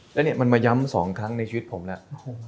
แล้วเนี่ยมันมาย้ำสองครั้งในชีวิตผมแล้ว